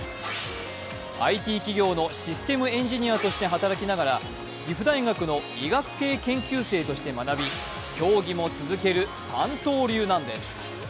ＩＴ企業のシステムエンジニアとして働きながら、岐阜大学の医学系研究生として学び競技も続ける三刀流なんです。